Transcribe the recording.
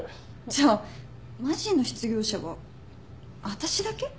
じゃあマジの失業者は私だけ？